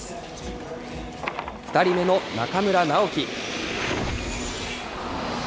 ２人目の中村直幹。